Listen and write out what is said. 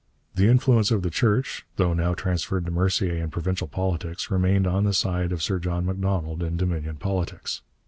The influence of the Church, though now transferred to Mercier in provincial politics, remained on the side of Sir John Macdonald in Dominion politics.